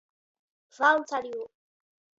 Valns ar jū!